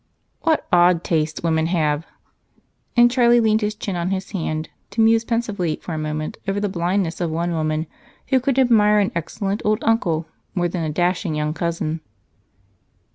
"What odd tastes women have!" And Charlie leaned his chin on his hand to muse pensively for a moment over the blindness of one woman who could admire an excellent old uncle more than a dashing young cousin.